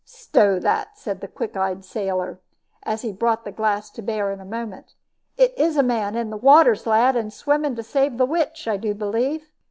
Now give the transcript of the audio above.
"Stow that," said the quick eyed sailor, as he brought the glass to bear in a moment. "It is a man in the water, lads, and swimming to save the witch, I do believe."